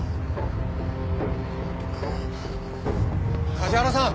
梶原さん！